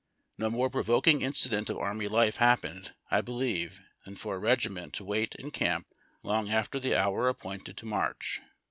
No more provoking incident of army life happened, I believe, than for a regiment to wait in camp long after the hour appointed to march.